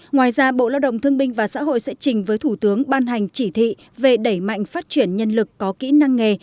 ngoài ra bộ lao động thương binh và xã hội sẽ trình với thủ tướng ban hành chỉ thị về đẩy mạnh phát triển nhân lực có kỹ năng nghề